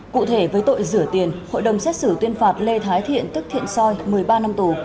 cụ thể với tội rửa tiền hội đồng xét xử tuyên phạt lê thái thiện tức thiện soi một mươi ba năm tù